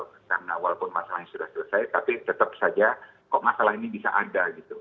karena walaupun masalahnya sudah selesai tapi tetap saja kok masalah ini bisa ada gitu